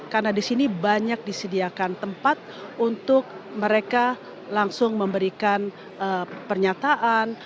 karena disini banyak disediakan tempat untuk mereka langsung memberikan pernyataan